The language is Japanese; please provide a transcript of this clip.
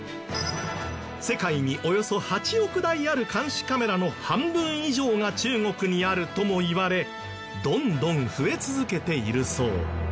世界におよそ８億台ある監視カメラの半分以上が中国にあるともいわれどんどん増え続けているそう。